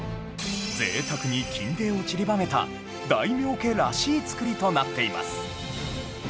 贅沢に金泥を散りばめた大名家らしい作りとなっています